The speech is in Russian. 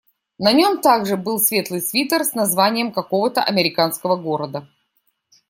На нём также был светлый свитер с названием какого-то американского города.